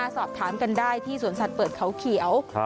สอบถามกันได้ที่สวนสัตว์เปิดเขาเขียว